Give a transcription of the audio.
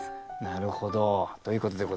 なるほど。ということでございましてね